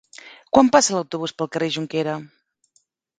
Quan passa l'autobús pel carrer Jonquera?